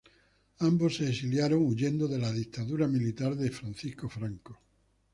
Ambos se exiliaron huyendo de la dictadura militar de Francisco Franco.